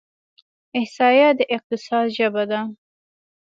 احصایه د اقتصاد ژبه ده.